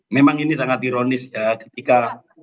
memang ini sangat ironis ya ketika